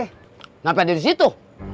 kenapa ada di situ